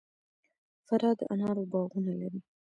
فراه د انارو باغونه لري